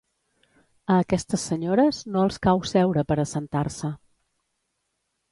A aquestes senyores no els cau seure per assentar-se.